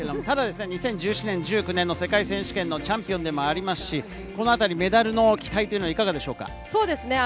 ただ２０１７年、１９年の世界選手権のチャンピオンでもありますし、このあたりメダルの期待はいかがでしょうか？